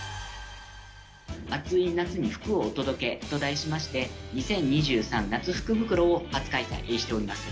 アツい夏に福をお届け！と題して、２０２３夏福袋を初開催しております。